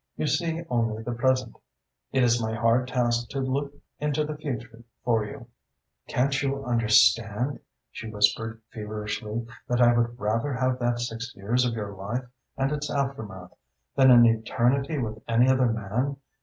You see only the present. It is my hard task to look into the future for you." "Can't you understand," she whispered feverishly, "that I would rather have that six years of your life, and its aftermath, than an eternity with any other man?